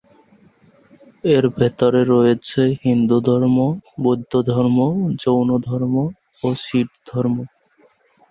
এর ভেতরে রয়েছে হিন্দুধর্ম, বৌদ্ধধর্ম, জৈনধর্ম ও শিখধর্ম।